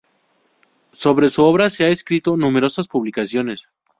Sobre su obra se han escrito numerosas publicaciones.